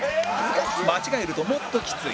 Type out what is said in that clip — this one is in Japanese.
間違えるともっときつい！